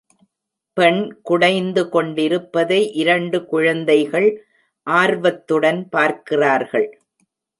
பெண் குடைந்து கொண்டிருப்பதை இரண்டு குழந்தைகள் ஆர்வத்துடன் பார்க்கிறார்கள்.